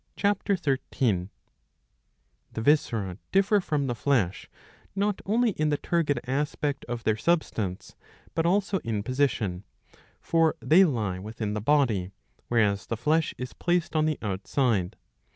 13.^ The viscera differ from the flesh not only in the turgid aspect of their substance, but also in position ; for they lie within the body, whereas the flesh is placed on the outside.